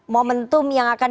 momentum yang akan